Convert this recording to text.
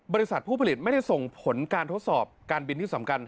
บริษัทผู้ผลิตไม่ได้ส่งผลการทดสอบการบินที่สำคัญ